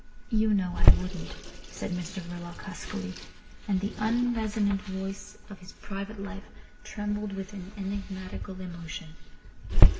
"You know I wouldn't," said Mr Verloc huskily, and the unresonant voice of his private life trembled with an enigmatical emotion.